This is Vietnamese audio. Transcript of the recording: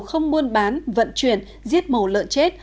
không buôn bán vận chuyển giết mổ lợn chết